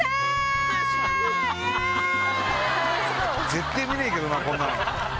ぜってぇ見ねえけどなこんなの。